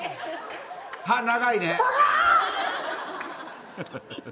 歯、長いね。